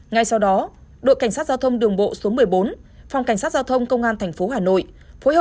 ngay sau đó đội cảnh sát giao thông đường bộ số một mươi bốn phòng cảnh sát giao thông công an tp hà nội phối hợp